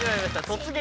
「突撃！